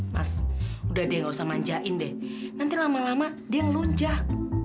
mas udah dia gak usah manjain deh nanti lama lama dia luncah